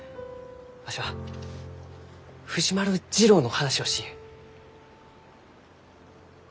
わしは藤丸次郎の話をしゆう。